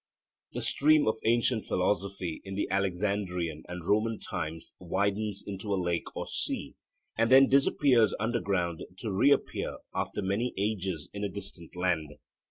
The stream of ancient philosophy in the Alexandrian and Roman times widens into a lake or sea, and then disappears underground to reappear after many ages in a distant land.